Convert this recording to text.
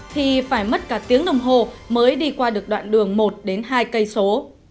thì phải mất cả tiếng đồng hồ mới đi qua được đoạn đường một đến hai cây số